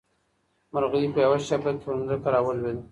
مرغۍ په یوه شېبه کې پر ځمکه راولوېده.